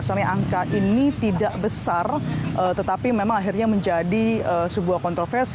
karena angka ini tidak besar tetapi memang akhirnya menjadi sebuah kontroversi